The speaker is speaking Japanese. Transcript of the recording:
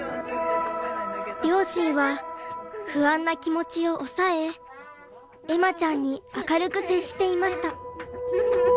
両親は不安な気持ちを抑え恵麻ちゃんに明るく接していました。